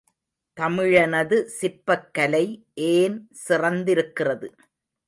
தமிழனது சிற்பக் கலை ஏன் சிறந்திருக்கிறது.